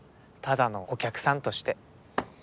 ただのお客さんとして。